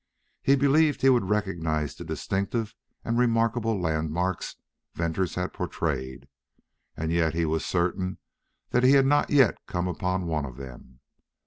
He believed he would recognize the distinctive and remarkable landmarks Venters had portrayed, and he was certain that he had not yet come upon one of them.